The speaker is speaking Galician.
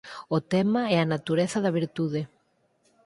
O tema é a natureza da virtude.